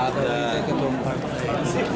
bagi ketua partai